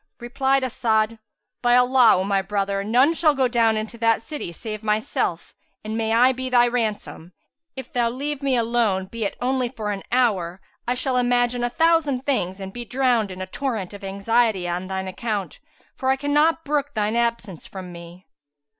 Replied As'ad, "By Allah, O my brother, none shall go down into that city save myself, and may I be thy ransom! If thou leave me alone, be it only for an hour, I shall imagine a thousand things and be drowned in a torrent of anxiety on shine account, for I cannot brook shine absence from me."